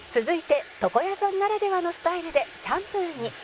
「続いて床屋さんならではのスタイルでシャンプーに」